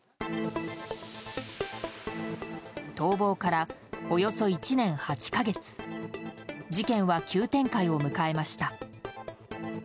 逃亡からおよそ１年８か月事件は急展開を迎えました。